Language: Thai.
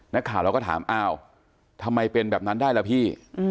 นักข่าวเราก็ถามอ้าวทำไมเป็นแบบนั้นได้ล่ะพี่